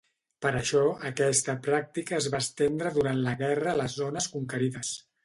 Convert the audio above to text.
Per això, aquesta pràctica es va estendre durant la guerra a les zones conquerides.